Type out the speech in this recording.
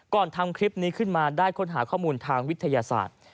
ทำคลิปนี้ขึ้นมาได้ค้นหาข้อมูลทางวิทยาศาสตร์